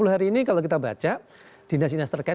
enam puluh hari ini kalau kita baca dinas cipta karya